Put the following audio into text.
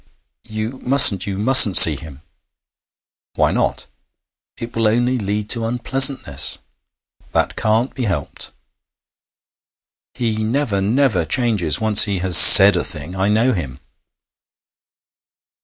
'You mustn't you mustn't see him.' 'Why not?' 'It will only lead to unpleasantness.' 'That can't be helped.' 'He never, never changes when once he has said a thing. I know him.'